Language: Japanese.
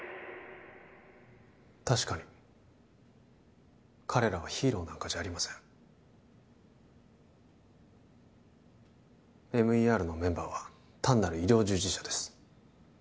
確かに彼らはヒーローなんかじゃありませんＭＥＲのメンバーは単なる医療従事者です